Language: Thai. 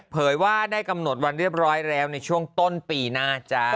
ว่าได้กำหนดวันเรียบร้อยแล้วในช่วงต้นปีหน้าจ้า